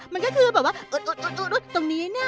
มันก็คือแบบว่าตรงนี้นะ